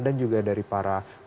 dan juga dari para